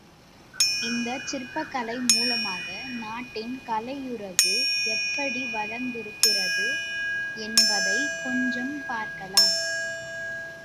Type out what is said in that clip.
இந்தச் சிற்பக் கலை மூலமாக நாட்டின் கலையுறவு எப்படி வளர்ந்திருக்கிறது என்பதைக் கொஞ்சம் பார்க்கலாம்.